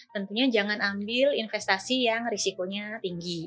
tentunya jangan ambil investasi yang risikonya tinggi